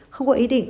không có ý định